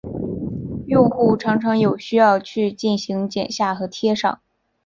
用户常常有需要去进行剪下和贴上。